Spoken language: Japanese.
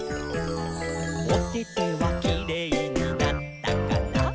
「おててはキレイになったかな？」